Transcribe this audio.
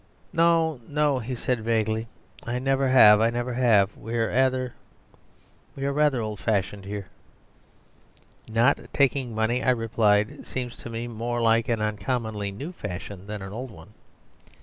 "No, no," he said vaguely. "I never have. I never have. We are rather old fashioned here." "Not taking money," I replied, "seems to me more like an uncommonly new fashion than an old one."